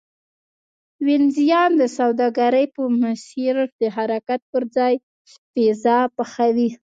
وینزیان د سوداګرۍ په مسیر د حرکت پرځای پیزا پخوي